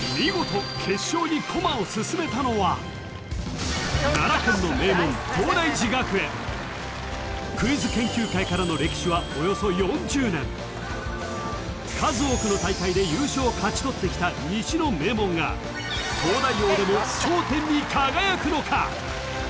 見事奈良県の名門クイズ研究会からの歴史はおよそ４０年数多くの大会で優勝を勝ち取ってきた西の名門が「東大王」でも頂点に輝くのか？